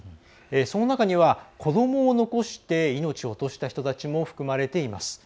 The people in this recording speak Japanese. その中には、子どもを残して命を落とした人たちも含まれています。